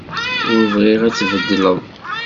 Ur bɣiɣ ad tbeddleḍ.